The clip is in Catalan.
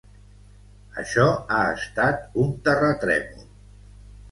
Això ha estat un terratrèmol.